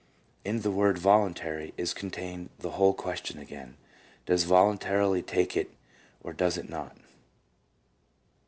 2 In the word "voluntary" is contained the whole question again. Does he voluntarily take it or does he not